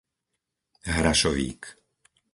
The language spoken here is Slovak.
Hrašovík